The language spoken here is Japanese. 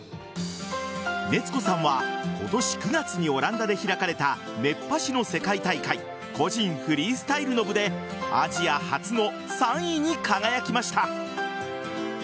熱子さんは今年９月にオランダで開かれた熱波師の世界大会個人フリースタイルの部でアジア初の３位に輝きました。